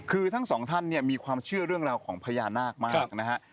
คือทั้งสองท่านเนี่ยมีความเชื่อเรื่องราวของพญานาคมากนะฮะ